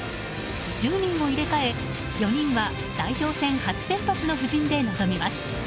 １０人を入れ替え、４人は代表戦初先発の布陣で臨みます。